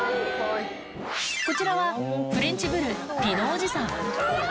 こちらはフレンチブル、ピノおじさん。